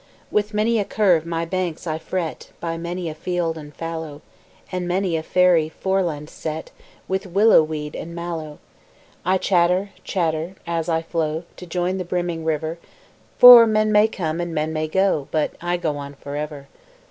With many a curve my banks I fret By many a field and fallow, And many a fairy foreland set With willow weed and mallow. I chatter, chatter, as I flow To join the brimming river, For men may come and men may go, But I go on for ever.